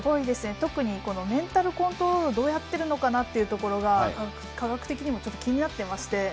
特にメンタルコントロール、どうやってるのかなっていうところが、科学的にもちょっと気になっていまして。